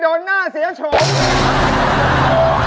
เดี๋ยวหน้าเสียโฉมโอ้โฮ